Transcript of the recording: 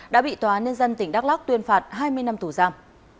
đã bị tòa ninh dân tỉnh đắk lóc tuyên phạt hai mươi năm tù giam